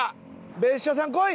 別所さん来い！